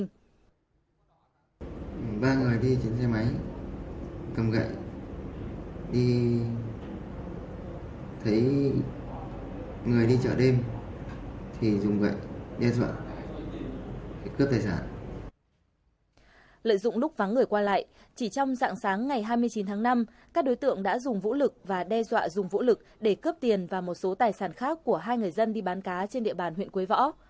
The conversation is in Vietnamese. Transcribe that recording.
ngày hai mươi chín tháng năm các đối tượng đã dùng vũ lực và đe dọa dùng vũ lực để cướp tiền và một số tài sản khác của hai người dân đi bán cá trên địa bàn huyện quế võ